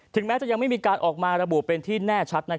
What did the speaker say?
แม้จะยังไม่มีการออกมาระบุเป็นที่แน่ชัด